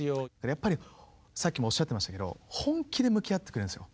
やっぱりさっきもおっしゃってましたけど本気で向き合ってくれるんですよ。